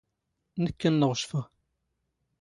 ⵏⴽⴽ ⵏⵏⵖⵛⴼⵖ.